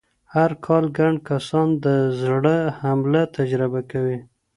هرکال ګڼ کسان د زړه حمله تجربه کوي.